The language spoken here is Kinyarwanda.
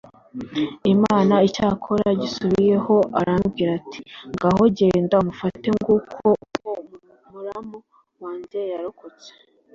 Imana Icyakora yisubiyeho arambwira ati ngaho genda umufate Nguko uko muramu wanjye yarokotse